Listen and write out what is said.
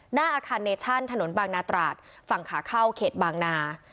หน้าอาคารเนชั่นถนนบางนาตราดฝั่งขาเข้าเขตบางนา